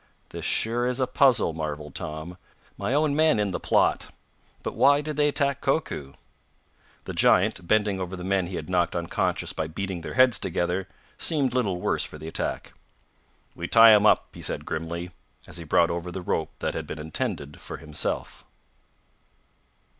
"This sure is a puzzle," marveled Tom. "My own men in the plot! But why did they attack Koku?" The giant, bending over the men he had knocked unconscious by beating their heads together, seemed little worse for the attack. "We tie 'em up," he said grimly, as he brought over the rope that had been intended for himself.